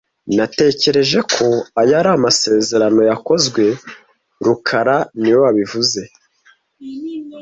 Natekereje ko ayo ari amasezerano yakozwe rukara niwe wabivuze